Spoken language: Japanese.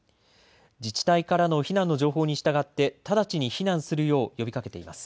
自治体からの情報に従って直ちに避難するよう呼びかけています。